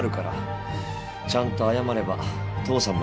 ちゃんと謝れば父さんも許してくれる。